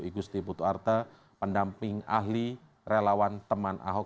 igusti putu arte pendamping ahli relawan teman ahok